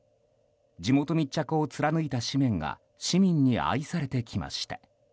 地元密着を貫いた紙面が市民に愛されてきました。